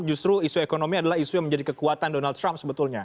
justru isu ekonomi adalah isu yang menjadi kekuatan donald trump sebetulnya